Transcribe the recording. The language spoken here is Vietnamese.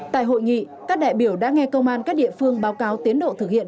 tại hội nghị các đại biểu đã nghe công an các địa phương báo cáo tiến độ thực hiện